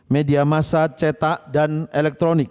media masa cetak dan elektronik